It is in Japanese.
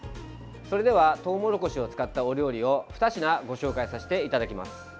それではトウモロコシを使ったお料理を２品ご紹介させていただきます。